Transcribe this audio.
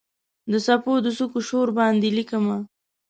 د څپو د څوکو شور باندې لیکمه